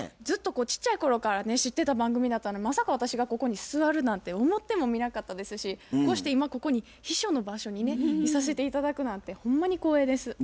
ずっとちっちゃい頃からね知ってた番組だったのでまさか私がここに座るなんて思ってもみなかったですしこうして今ここに秘書の場所にねいさせて頂くなんてほんまに光栄です。